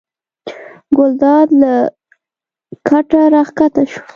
ګلداد له کټه راکښته شو.